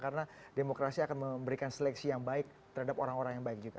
karena demokrasi akan memberikan seleksi yang baik terhadap orang orang yang baik juga